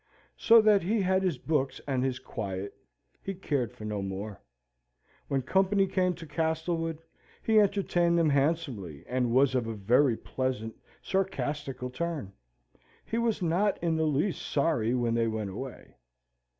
So that he had his books and his quiet, he cared for no more. When company came to Castlewood, he entertained them handsomely, and was of a very pleasant, sarcastical turn. He was not in the least sorry when they went away.